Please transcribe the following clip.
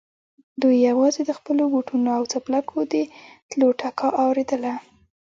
دوی يواځې د خپلو بوټونو او څپلکو د تلو ټکا اورېدله.